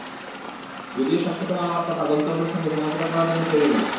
যদিও শাশ্বত মানবাত্মা তার গন্তব্যের সঙ্গে সমঝোতা করার জন্য তৈরি নয়।